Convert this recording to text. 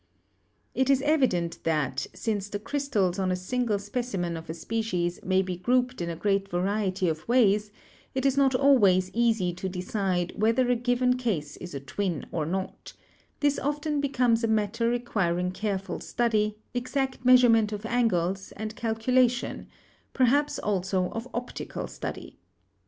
It is evident that, since the* crystals on a single speci men of a species may be grouped in a great variety of ways, it is not always easy to decide whether a given case is a twin or not; this often becomes a matter re quiring careful study, exact measurement of angles, and calculation, perhaps also of optical study.